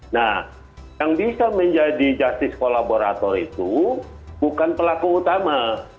nah yang bisa menjadi justice kolaborator itu bukan pelaku utama